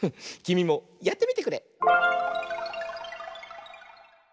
きみもやってみてくれ！